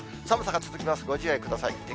寒さが続きます、ご自愛ください。